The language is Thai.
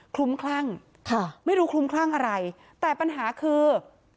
ลุ้มคลั่งค่ะไม่รู้คลุ้มคลั่งอะไรแต่ปัญหาคือ